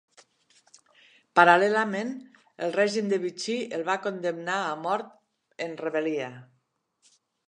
Paral·lelament, el règim de Vichy el va condemnar a mort en rebel·lia.